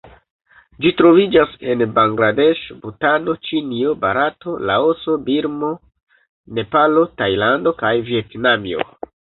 Ĝi troviĝas en Bangladeŝo, Butano, Ĉinio, Barato, Laoso, Birmo, Nepalo, Tajlando kaj Vjetnamio.